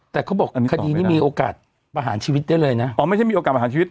แต่เขาบอกคดีนี้มีโอกาสประหารชีวิตได้เลยนะอ๋อไม่ใช่มีโอกาสประหารชีวิต